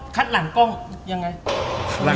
หลังกล้องยังไง